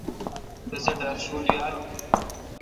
تسی ڈار شول یال۔